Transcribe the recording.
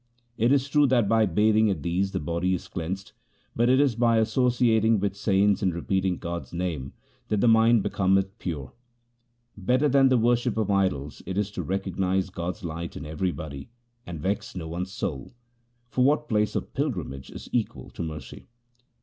It is true that by bathing at these the body is cleansed, but it is by associating with saints and repeating God's name that the mind becometh pure. Better than the worship of idols is it to recognize God's light in everybody, and vex no one's soul ; for what place of pilgrimage is equal to mercy